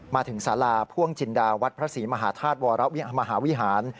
มาถึงสาราพ่วงจินดาวัดพระศรีมหาธาตุวรมหาวิหาร